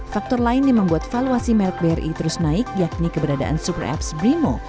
faktor lain yang membuat valuasi melk bri terus naik yakni keberadaan super apps brimo